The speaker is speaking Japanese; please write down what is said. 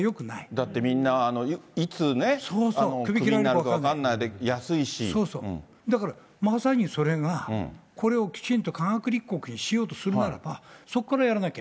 だってみんな、いつね、首切られるか分かんない、だから、まさにそれが、これをきちんと科学立国にしようとするならば、そこからやらなきゃ。